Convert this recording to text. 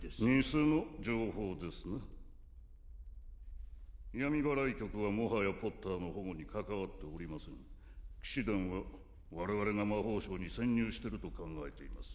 偽の情報ですな闇祓い局はもはやポッターの保護に関わっておりませぬ騎士団は我々が魔法省に潜入してると考えています